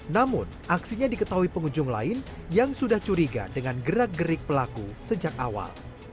namun aksinya diketahui pengunjung lain yang sudah curiga dengan gerak gerik pelaku sejak awal